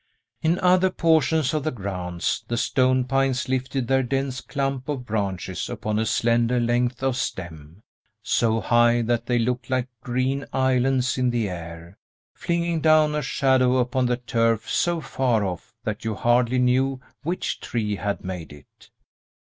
In other portions of the grounds the stone pines lifted their dense clump of branches upon a slender length of stem, so high that they looked like green islands in the air, flinging down a shadow upon the turf so far off that you hardly knew which tree had made it.